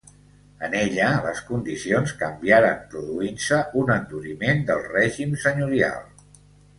En ella les condicions canviaren produint-se un enduriment del règim senyorial.